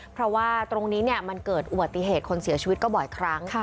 เพราะว่าตรงนี้มันเกิดอุบัติเหตุคนเสียชีวิตก็บ่อยครั้ง